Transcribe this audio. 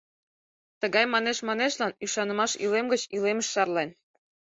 Тыгай манеш-манешлан ӱшанымаш илем гыч илемыш шарлен.